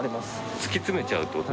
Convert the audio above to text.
突き詰めちゃうってこと。